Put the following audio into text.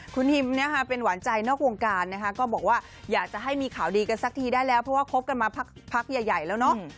คุณฮิมเป็นหวานใจนอกวงการนะคะก็บอกว่าอยากจะให้มีข่าวดีกันสักทีได้แล้วเพราะว่าคบกันมาพักใหญ่แล้วเนาะ